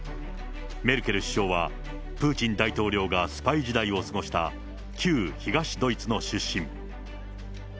メルケル首相は、プーチン大統領がスパイ時代を過ごした旧東ドイツの出身。